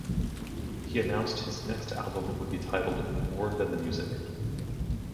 He announced his next album would be titled "More Than the Music".